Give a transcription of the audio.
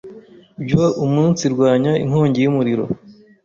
byo umunsirwanya inkongi y,umuriro